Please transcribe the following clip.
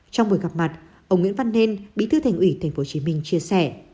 trong buổi gặp mặt ông nguyễn văn nên bí thư thành ủy tp hcm chia sẻ